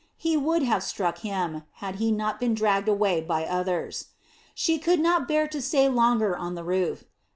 He would have struck him, had he not been dragged away by others. She could not bear to stay longer on the roof.